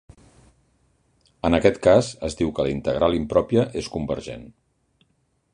En aquest cas es diu que la integral impròpia és convergent.